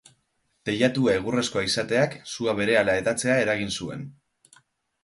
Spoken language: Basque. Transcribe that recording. Teilatua egurrezkoa izateak sua berehala hedatzea eragin zuen.